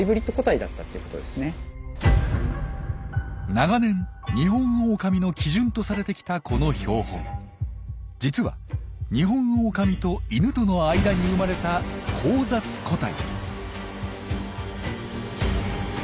長年ニホンオオカミの基準とされてきたこの標本実はニホンオオカミとイヌとの間に生まれた交雑個体。